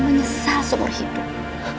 menyesal seumur hidup